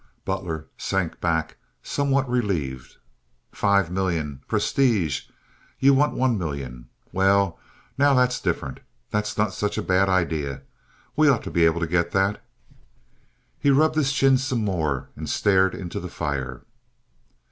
Butler sank back somewhat relieved. "Five million! Prestige! You want one million. Well, now, that's different. That's not such a bad idea. We ought to be able to get that." He rubbed his chin some more and stared into the fire.